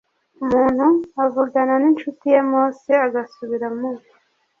umuntu avugana n incuti ye Mose agasubira mu